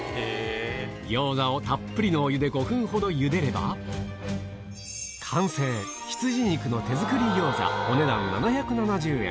餃子をたっぷりのお湯で５分ほどゆでれば、完成、羊肉の手作り餃子、お値段７７０円。